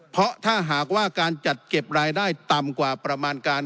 เพราะถ้าหากว่าการจัดเก็บรายได้ต่ำกว่าประมาณการ